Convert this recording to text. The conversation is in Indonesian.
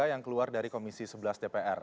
yang keluar dari komisi sebelas dpr